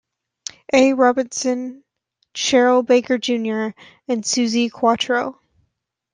A. Robertson, Cheryl Baker, Junior and Suzi Quatro.